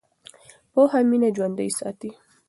پوهه مینه ژوندۍ ساتي.